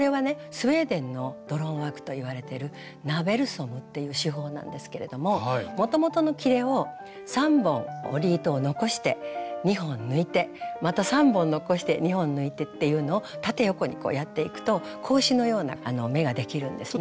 スウェーデンのドロンワークといわれてる「ナーベルソム」っていう手法なんですけれどももともとのきれを３本織り糸を残して２本抜いてまた３本残して２本抜いてっていうのを縦横にやっていくと格子のような目ができるんですね。